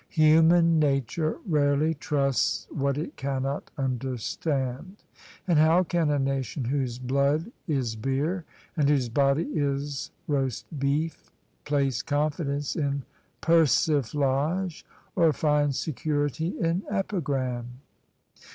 Human nature rarely trusts what it cannot understand: and how can a nation whose blood is beer and whose body is roast beef place confidence in persiflage or find security in epigram